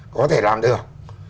có thể làm được